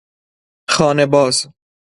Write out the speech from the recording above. خانه باز